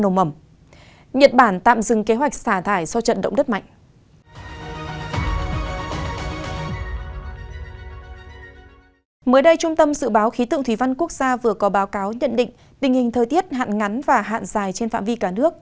mới đây trung tâm dự báo khí tượng thủy văn quốc gia vừa có báo cáo nhận định tình hình thời tiết hạn ngắn và hạn dài trên phạm vi cả nước